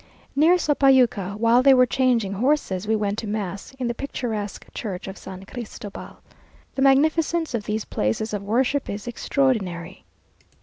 Near Sopayuca, while they were changing horses, we went to mass, in the picturesque church of San Cristobal. The magnificence of these places of worship is extraordinary.